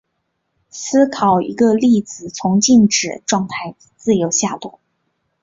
思考一个粒子从静止状态自由地下落。